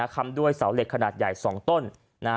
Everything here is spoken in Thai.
คำด้วยเสาเหล็กขนาดใหญ่๒ต้น